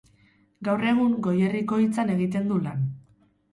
Gaur egun, Goierriko Hitzan egiten du lan.